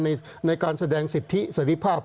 ในการแสดงสิทธิเสรีภาพ